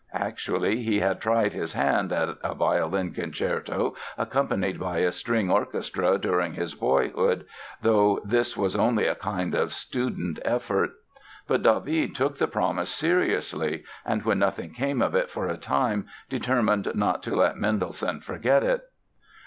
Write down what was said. Actually, he had tried his hand at a violin concerto accompanied by a string orchestra during his boyhood though this was only a kind of student effort. But David took the promise seriously and when nothing came of it for a time determined not to let Mendelssohn forget it.